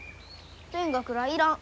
勉学らあいらん。